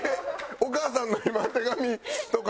お母さんの今手紙とか。